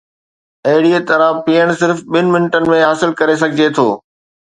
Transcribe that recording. اهڙيء طرح پيئڻ صرف ٻن منٽن ۾ حاصل ڪري سگهجي ٿو.